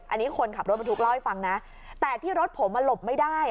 อันนี้คนขับรถบรรทุกเล่าให้ฟังนะแต่ที่รถผมมันหลบไม่ได้